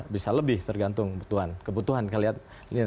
bisa lebih tergantung kebutuhan kalian